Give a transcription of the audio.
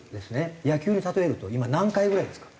野球で例えると今何回ぐらいですか？